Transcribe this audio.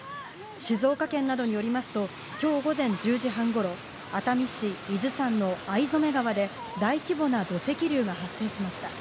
静岡県などによりますと、きょう午前１０時半ごろ、熱海市伊豆山のあいぞめ川で、大規模な土石流が発生しました。